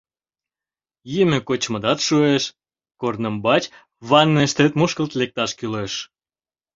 Йӱмӧ-кочмыдат шуэш, корнымбач ванныйыштет мушкылт лекташ кӱлеш...